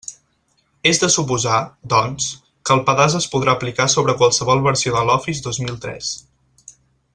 És de suposar, doncs, que el pedaç es podrà aplicar sobre qualsevol versió de l'Office dos mil tres.